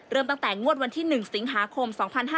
ตั้งแต่งวดวันที่๑สิงหาคม๒๕๕๙